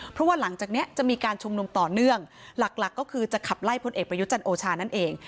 เพราะว่าหลังจากนี้จะมีการชุมนุมต่อเนื่องหลักก็คือจะขับไล่พลเอกประยุจันทร์โอชานั่นเอง